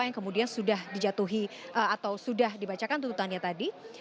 yang kemudian sudah dijatuhi atau sudah dibacakan tuntutannya tadi